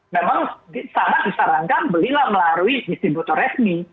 memang sangat disarankan belilah melalui distributor resmi